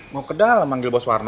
mau ke dalam manggil bos warno